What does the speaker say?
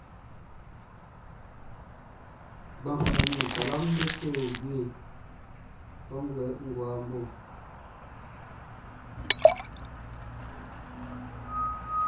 Gbanflɛn nin talua me to jue guabo.